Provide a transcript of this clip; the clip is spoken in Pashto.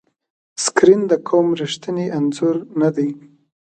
سکرین د قوم ریښتینی انځور نه دی.